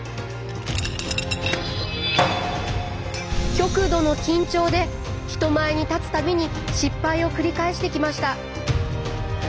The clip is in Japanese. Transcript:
極度の緊張で人前に立つ度に失敗を繰り返してきました。